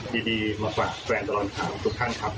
ดีดีมาฝากแฟนตรงครามทุกท่านครับ